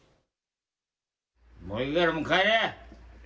もういいから帰れ！